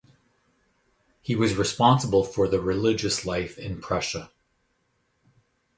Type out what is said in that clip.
He was responsible for the religious life in Prussia.